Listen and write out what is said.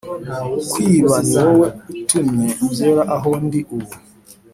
kwiba niwowe utumye ngera aho ndi ubu,